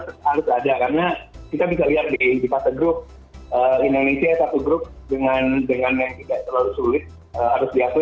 karena kita bisa lihat di kategori indonesia satu grup dengan yang tidak terlalu sulit harus diatur